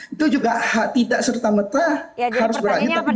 itu juga tidak sertamerta harus berlanjutan